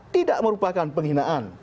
tidak merupakan penghinaan